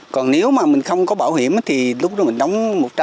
còn nếu mà mình không có bảo hiểm thì lúc đó mình đóng một trăm linh